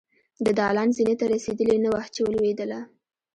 د دالان زينې ته رسېدلې نه وه چې ولوېدله.